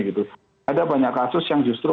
ada banyak kasus yang justru